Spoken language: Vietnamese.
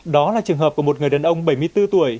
đó là trường hợp của một người đàn ông bảy mươi bốn tuổi